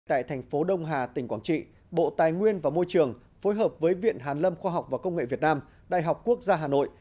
tại thành phố đông hà tỉnh quảng trị bộ tài nguyên và môi trường phối hợp với viện hàn lâm khoa học và công nghệ việt nam đại học quốc gia hà nội